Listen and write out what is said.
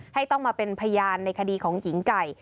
ต้องมาเป็นพยานในคดีของหญิงไก่